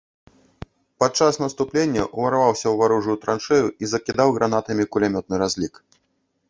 Падчас наступлення ўварваўся ў варожую траншэю і закідаў гранатамі кулямётны разлік.